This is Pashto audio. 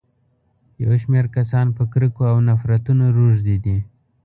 يو شمېر کسان په کرکو او نفرتونو روږدي دي.